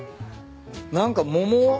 何か桃？